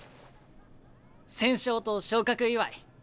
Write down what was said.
戦勝と昇格祝。